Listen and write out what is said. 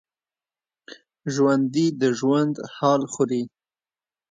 ژوندي د ژوند حال خوري